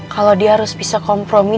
kalau dia harus bisa kompromi